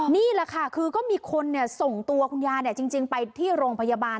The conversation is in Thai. นี่แหละค่ะคือก็มีคนส่งตัวคุณยายจริงไปที่โรงพยาบาล